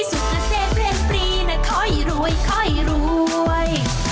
สุขเสพเลนปรีน่ะค่อยรวยค่อยรวย